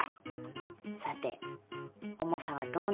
さて重さはどうなるか？